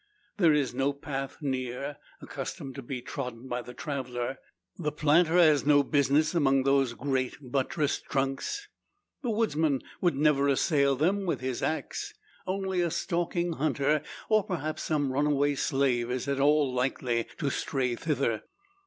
There is no path near, accustomed to be trodden by the traveller. The planter has no business among those great buttressed trunks. The woodman will never assail them with his axe. Only a stalking hunter, or perhaps some runaway slave, is at all likely to stray thither.